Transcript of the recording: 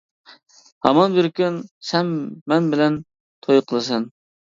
ھامان بىر كۈنى سەن مەن بىلەن توي قىلىسەن.